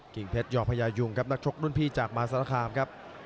กิงเพชรยอพยายุงนักชกด้วยพี่จากมาซาลาคาร์มครับ